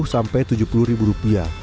sampai tujuh puluh ribu rupiah